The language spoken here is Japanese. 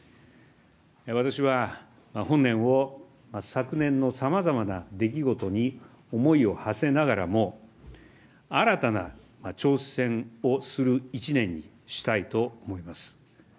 私は本年を、昨年のさまざまな出来事に思いをはせながらも、新たな挑戦をする１年にしたいと思います。